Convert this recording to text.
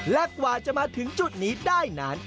และกว่าจะมาถึงจุดนี้ได้นั้น